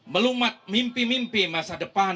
melumat mimpi mimpi masa depan